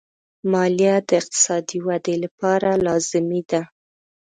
مالیه د اقتصادي ودې لپاره لازمي ده.